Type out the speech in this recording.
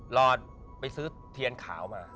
รอไปซื้อเทียนขาวมา